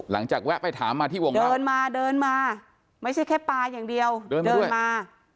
แวะไปถามมาที่วงเดินมาเดินมาไม่ใช่แค่ปลาอย่างเดียวเดินเดินมา